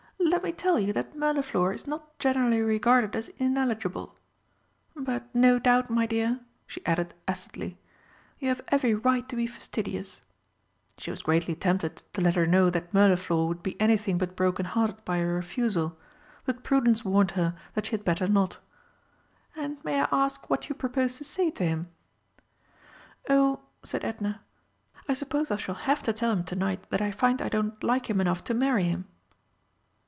"Let me tell you that Mirliflor is not generally regarded as ineligible. But, no doubt, my dear," she added acidly, "you have every right to be fastidious." She was greatly tempted to let her know that Mirliflor would be anything but broken hearted by a refusal, but prudence warned her that she had better not. "And may I ask what you propose to say to him?" "Oh," said Edna, "I suppose I shall have to tell him to night that I find I don't like him enough to marry him."